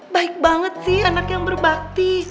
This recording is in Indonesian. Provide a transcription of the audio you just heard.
baik banget sih anak yang berbakti